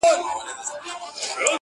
o شعـر كي مي راپـاتـــه ائـيـنه نـه ده.